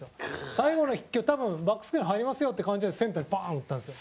最後の１球、多分バックスクリーンに入りますよっていう感じでセンターにバーン、打ったんですよ。